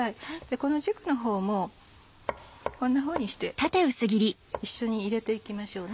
この軸の方もこんなふうにして一緒に入れていきましょうね。